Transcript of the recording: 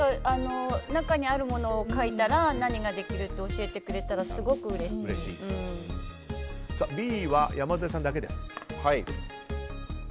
中にあるものを書いたら何ができるって教えてくれたらＢは山添さんだけです。